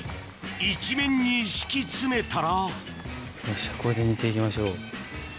一面に敷き詰めたらよしこれで煮て行きましょう。